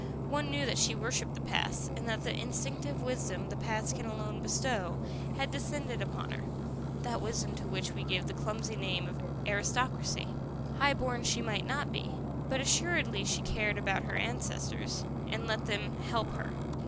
One knew that she worshipped the past, and that the instinctive wisdom the past can alone bestow had descended upon her that wisdom to which we give the clumsy name of aristocracy. High born she might not be. But assuredly she cared about her ancestors, and let them help her.